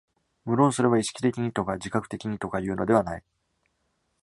無論それは意識的にとか自覚的にとかいうのではない。